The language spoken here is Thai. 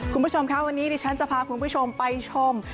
คุณผู้ชมค่ะวันนี้ดิฉันจะพาคุณผู้ชมไปชม